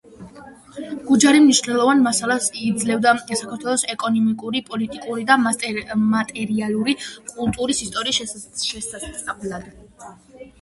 გუჯარი მნიშვნელოვან მასალას იძლევა საქართველოს ეკონომიკური, პოლიტიკური და მატერიალური კულტურის ისტორიის შესასწავლად.